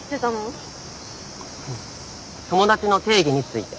友達の定義について。